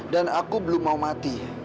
aku belum mau mati